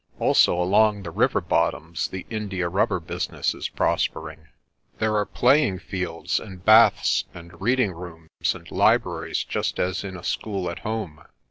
Also along the river bottoms the india rubber business is prospering. There are playing fields and baths and reading rooms and libraries just as in a school at home.